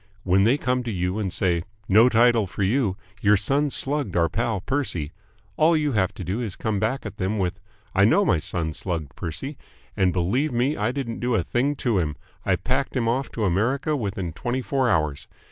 When they come to you and say "No title for you. Your son slugged our pal Percy," all you have to do is to come back at them with "I know my son slugged Percy, and believe me I didn't do a thing to him! I packed him off to America within twenty four hours.